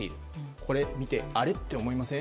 これを見てあれ？って思いません？